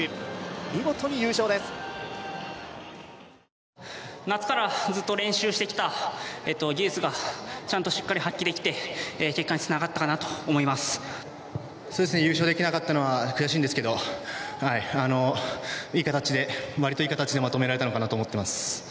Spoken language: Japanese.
見事に優勝です夏からずっと練習してきた技術がちゃんとしっかり発揮できて結果につながったかなと思いますそうですね優勝できなかったのは悔しいんですけどいい形で割といい形でまとめられたのかなと思ってます